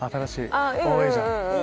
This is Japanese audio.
かわいいじゃん。